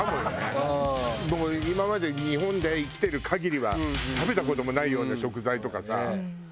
もう今まで日本で生きてる限りは食べた事もないような食材とかさ。